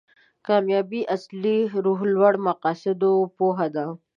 کامیابي اصلي روح لوړ مقاصدو پوهه ده.